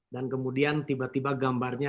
dan kemudian tiba tiba gambarnya